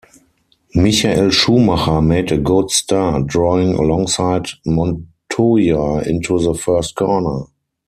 Michael Schumacher made a good start, drawing alongside Montoya into the first corner.